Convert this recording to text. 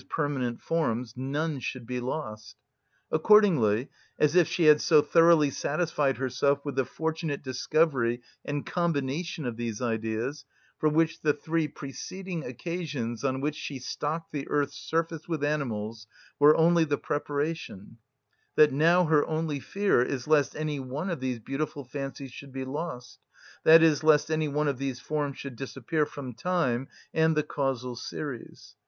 _, permanent forms, none should be lost. Accordingly, as if she had so thoroughly satisfied herself with the fortunate discovery and combination of these Ideas (for which the three preceding occasions on which she stocked the earth's surface with animals were only the preparation), that now her only fear is lest any one of these beautiful fancies should be lost, i.e., lest any one of these forms should disappear from time and the causal series.